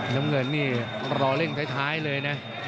น้ำเงินนี่รอเร่งท้ายเลยนะ